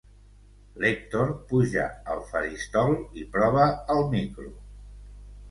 L'Èctor puja al faristol i prova el micro.